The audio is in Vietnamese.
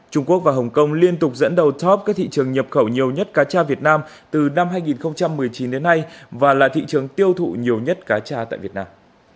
trung quốc và hồng kông liên tục dẫn đầu top các thị trường nhập khẩu nhiều nhất cá tra việt nam từ năm hai nghìn một mươi chín đến nay và là thị trường tiêu thụ nhiều nhất cá tra tại việt nam